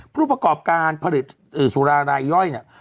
ผู้ประกอบการผลิตสุรารายย่อยเนี่ย